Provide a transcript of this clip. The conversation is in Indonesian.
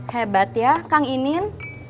hebat ya kang inin